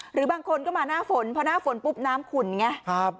หรือบางคนก็มาหน้าฝนเพราะหน้าฝนน้ำขุ่นไงครับ